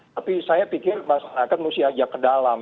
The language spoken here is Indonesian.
tapi saya pikir masyarakat harus diajak ke dalam